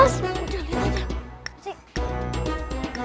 sudah lihat aja